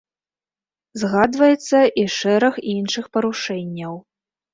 Згадваецца і шэраг іншых парушэнняў.